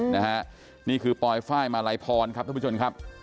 นะฮะนี่คือปลอยฟ่ายมาลายพรครับทุกผู้ชมครับ